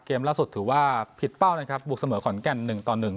ล่าสุดถือว่าผิดเป้านะครับบุกเสมอขอนแก่นหนึ่งต่อหนึ่ง